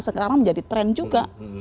sekarang menjadi tren juga